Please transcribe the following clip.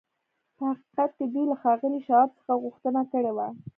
په حقیقت کې دوی له ښاغلي شواب څخه غوښتنه کړې وه